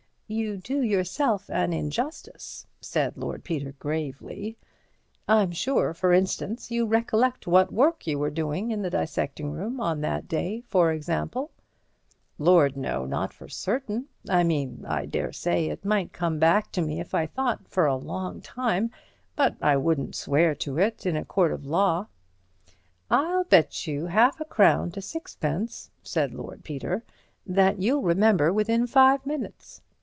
"You do yourself an injustice," said Lord Peter gravely. "I'm sure, for instance, you recollect what work you were doing in the dissecting room on that day, for example." "Lord, no! not for certain. I mean, I daresay it might come back to me if I thought for a long time, but I wouldn't swear to it in a court of law." "I'll bet you half a crown to sixpence," said Lord Peter, "that you'll remember within five minutes."